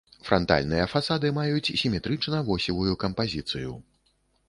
Франтальныя фасады маюць сіметрычна-восевую кампазіцыю.